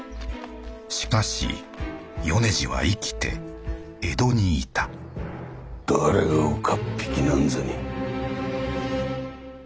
しかし米次は生きて江戸にいた誰が岡っ引きなんぞに。